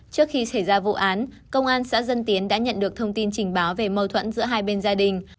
trước khi xảy ra vụ án công an xã dân tiến đã nhận được thông tin trình báo về mâu thuẫn giữa hai bên gia đình